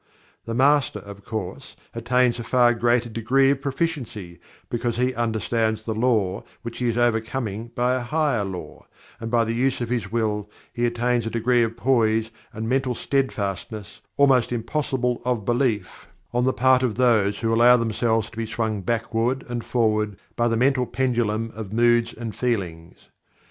The Master, of course, attains a far greater degree of proficiency, because he understands the law which he is overcoming by a higher law, and by the use of his Will he attains a degree of Poise and Mental Steadfastness almost impossible of belief on the part of those who allow themselves to be swung backward and forward by the mental pendulum of moods and feelings.